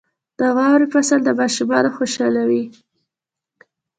• د واورې فصل ماشومان خوشحالوي.